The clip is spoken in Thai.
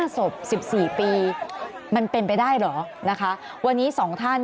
ศพ๑๔ปีมันเป็นไปได้เหรอนะคะวันนี้๒ท่าน